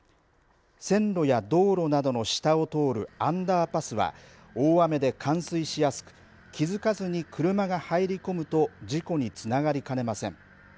線路や道路などの下を通るアンダーパスは大雨で冠水しやすく気づかずに車が入り込むと事故につながりかねません。